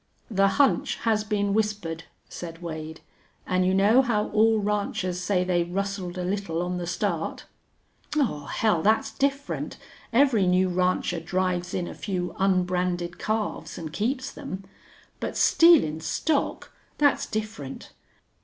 "The hunch has been whispered," said Wade. "An' you know how all ranchers say they rustled a little on the start." "Aw, hell! Thet's different. Every new rancher drives in a few unbranded calves an' keeps them. But stealin' stock thet's different.